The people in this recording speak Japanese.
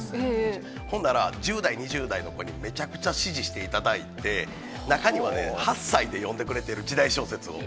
ほんだら、１０代、２０代の子にめちゃくちゃ支持していただいて、中にはね、８歳で読んでくれてる、時代小説を。